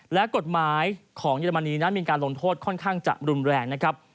และกฎหมายของเยอรมนีนั้นมีการลงโทษค่อนข้างจะรุนแรงนะครับ